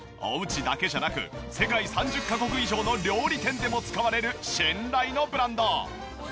おうちだけじゃなく世界３０カ国以上の料理店でも使われる信頼のブランド。